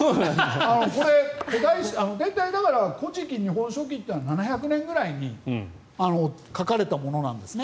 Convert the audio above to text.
これ、「古事記」、「日本書紀」というのは７００年ぐらいに書かれたものなんですね。